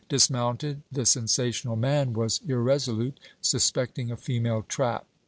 Dismounted, the sensational man was irresolute, suspecting a female trap.